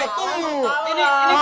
gak ada yang bener dong boleh gak